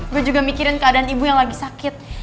gue juga mikirin keadaan ibu yang lagi sakit